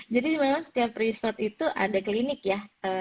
jadi memang setiap resort itu ada klinik ya